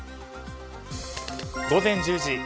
午前１０時。